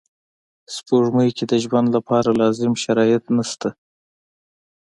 سپوږمۍ کې د ژوند لپاره لازم شرایط نشته